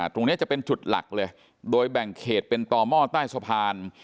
ตรงนี้จะเป็นจุดหลักเลยโดยแบ่งเขตเป็นต่อหม้อใต้สะพาน